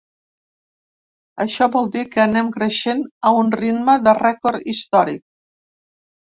Això vol dir que anem creixent a un ritme de rècord històric.